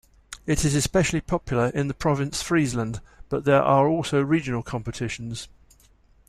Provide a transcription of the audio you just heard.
It is especially popular in the province Friesland, but there are also regional competitions.